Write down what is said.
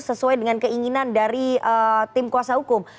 sesuai dengan keinginan dari tim kuasa hukum